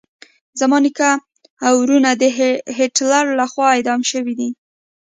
زما نیکه او ورونه د هټلر لخوا اعدام شويدي.